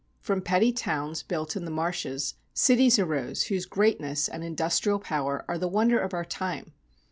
From petty towns built in the marshes, cities arose whose greatness and industrial power are the wonder of our time.